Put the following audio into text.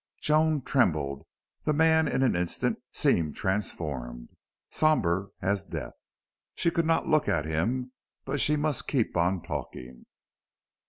Joan trembled. The man, in an instant, seemed transformed, somber as death. She could not look at him, but she must keep on talking.